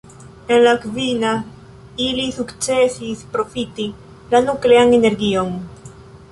En la kvina, ili sukcesis profiti la nuklean energion.